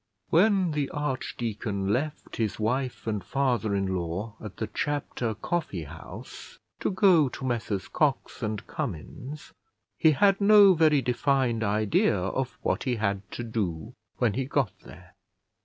When the archdeacon left his wife and father in law at the Chapter Coffee House to go to Messrs Cox and Cummins, he had no very defined idea of what he had to do when he got there.